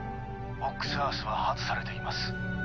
「オックス・アース」は外されています。